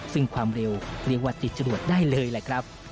ซึ่งความเร็วเรียกว่าติดจรวดได้เลยแหละครับ